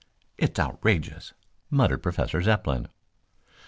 "It's outrageous," muttered Professor Zepplin.